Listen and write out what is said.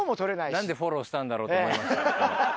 何でフォローしたんだって思いました。